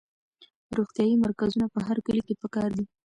روغتیایي مرکزونه په هر کلي کې پکار دي.